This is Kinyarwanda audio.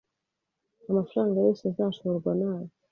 amafaranga yose azashorwa naya